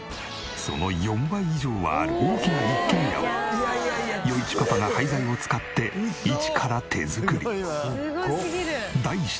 その４倍以上はある大きな一軒家を余一パパが廃材を使って一から手作り。